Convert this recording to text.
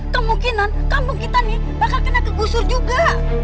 kemungkinan kampung kita nih bakal kena kegusur juga